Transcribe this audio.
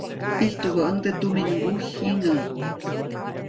Ijtubäʼuŋnde tuminŋguy jiŋäʼ.